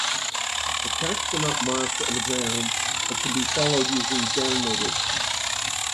The tracks are not marked on the ground but can be followed using downloaded.